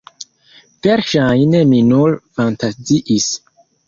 Verŝajne mi nur fantaziis.